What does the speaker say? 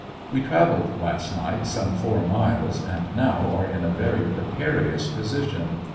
We traveled last night some four miles and now are in a very precarious position.